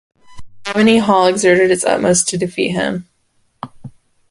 Tammany Hall exerted its utmost to defeat him.